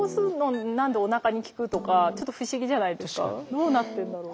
どうなってんだろう？